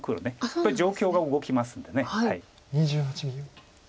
やっぱり状況が動きますんで。